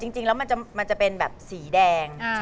จริงแล้วมันจะเป็นแบบสีแดง